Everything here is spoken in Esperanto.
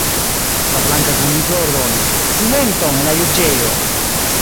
La Blanka Kuniklo ordonis: "Silenton en la juĝejo."